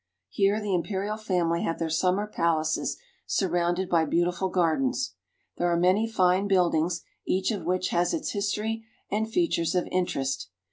Here the imperial family have their summer palaces surrounded by beautiful gardens. There are many fine buildings, each of which has its history and features of interest.